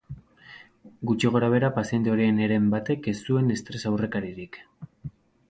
Gutxi gorabehera, paziente horien heren batek ez zuen estres aurrekaririk.